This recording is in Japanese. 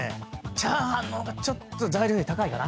チャーハンの方がちょっと材料費高いかな。